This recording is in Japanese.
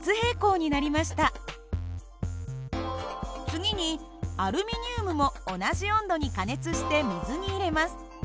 次にアルミニウムも同じ温度に加熱して水に入れます。